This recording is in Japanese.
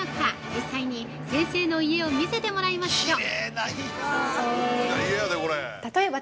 実際に先生の家を見せてもらいましょう！